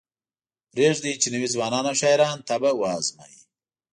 پریږدئ چې نوي ځوانان او شاعران طبع وازمایي.